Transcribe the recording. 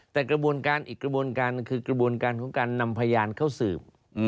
แต่กระบวนการอีกกระบวนการคือกระบวนการของการนำพยานเข้าสืบ